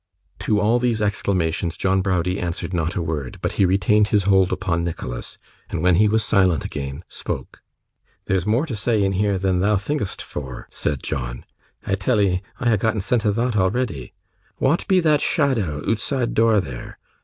To all these exclamations John Browdie answered not a word, but he retained his hold upon Nicholas; and when he was silent again, spoke. 'There's more to say and hear than thou think'st for,' said John. 'I tell'ee I ha' gotten scent o' thot already. Wa'at be that shadow ootside door there?